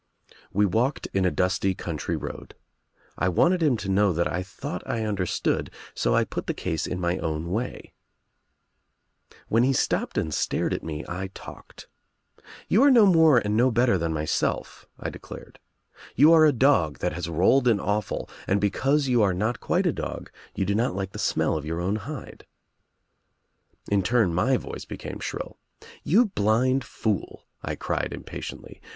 We walked in a dusty country road. I wanted him to know that I thought I understood, so I put the case in my own way. When he stopped and stared at me I talked. "You are no more and no better than myself," I declared. "You are a dog that has rolled in offal, and because you I are not quite a dog you do not like the smell of your I own hide." In turn my voice became shrill. "You blind fool," I cried impatiently.